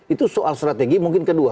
itu soal strategi mungkin kedua